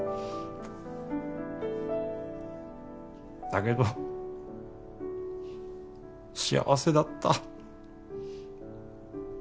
だけど幸せだった